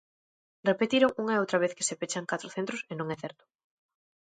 Repetiron unha e outra vez que se pechan catro centros e non é certo.